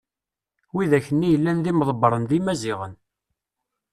widak-nni yellan d imḍebren d imaziɣen.